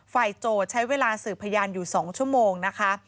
โจทย์ใช้เวลาสืบพยานอยู่๒ชั่วโมงนะคะ